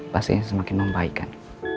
pasien semakin membaikan